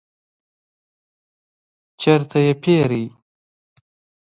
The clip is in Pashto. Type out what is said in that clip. چیرته یی پیرئ؟